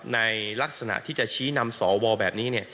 ในลักษณะที่จะชี้นำสวแบบนี้